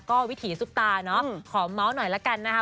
ก็วิถีซุปตาเนาะขอเมาส์หน่อยละกันนะคะ